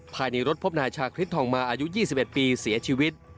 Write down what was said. ภายในรถพบนายชาคริสทองมาอายุ๒๑ปีเสียชีวิต